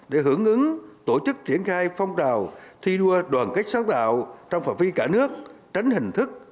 để hưởng ứng tổ chức triển khai phong trào thi đua đoàn kết sáng tạo trong phạm vi cả nước tránh hình thức